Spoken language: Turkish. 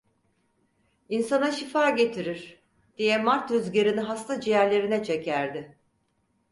İnsana şifa getirir… diye mart rüzgarını hasta ciğerlerine çekerdi.